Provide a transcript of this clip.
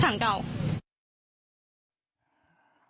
ถังเก่า